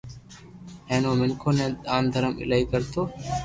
ھين او منيکون ني دان درم ايلائي ڪرتو